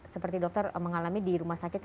seperti dokter mengalami di rumah sakit